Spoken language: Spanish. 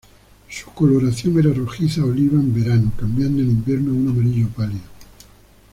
Su coloración era rojiza oliva en verano, cambiando en invierno a un amarillo pálido.